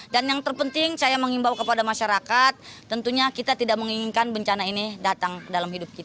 dan yang terpenting saya mengimbau kepada masyarakat tentunya kita tidak menginginkan bencana ini datang dalam hidup kita